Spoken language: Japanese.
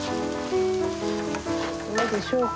どうでしょうか？